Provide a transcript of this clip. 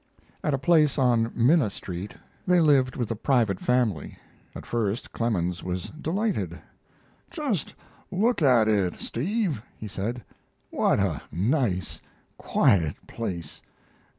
At a place on Minna Street they lived with a private family. At first Clemens was delighted. "Just look at it, Steve," he said. "What a nice, quiet place.